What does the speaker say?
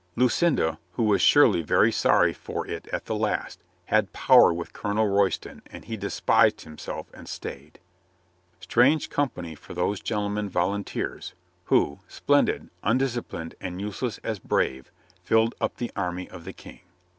Lucinda, who was surely very sorry for it at the Last, had power with Colonel Royston and he despised himself and stayed — strange company for those gentlemen volunteers, who, splendid, undisciplined and useless as brave, filled up the army of the King.